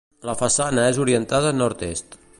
La façana és orientada a nord-est.